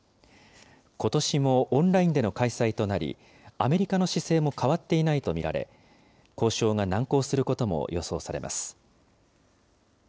ことしもオンラインでの開催となり、アメリカの姿勢も変わっていないと見られ、交渉が難航することも予想されます。